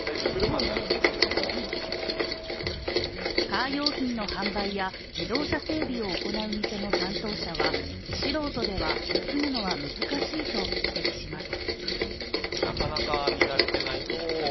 カー用品の販売や自動車整備を行う店の担当者は素人では盗むのは難しいと指摘します。